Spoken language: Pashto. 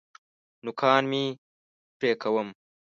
نوکان مي پرې کوم .